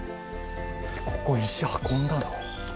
ここ、石運んだの？